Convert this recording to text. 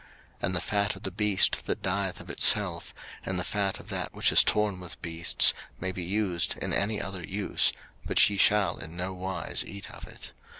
03:007:024 And the fat of the beast that dieth of itself, and the fat of that which is torn with beasts, may be used in any other use: but ye shall in no wise eat of it.